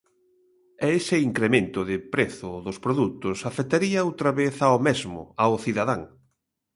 E ese incremento de prezo dos produtos afectaría outra vez ao mesmo, ao cidadán.